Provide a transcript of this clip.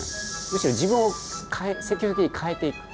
むしろ自分を積極的に変えていく。